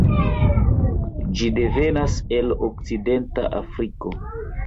Ĝi devenas el Okcidenta Afriko.